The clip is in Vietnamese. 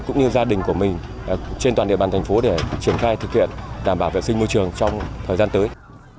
cũng như gia đình của mình trên toàn địa bàn thành phố để triển khai thực hiện đảm bảo vệ sinh môi trường trong thời gian tới